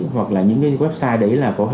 hoặc là những cái website đấy là có gì